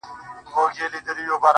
زموږه دوو زړونه دي تل د محبت مخته وي.